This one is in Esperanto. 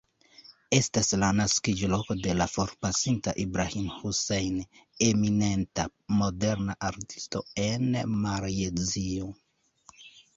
Estas la naskiĝloko de la forpasinta Ibrahim Hussein, eminenta moderna artisto en Malajzio.